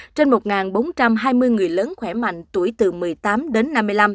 trên một bốn trăm hai mươi người lớn khỏe mạnh tuổi từ một mươi tám đến năm mươi năm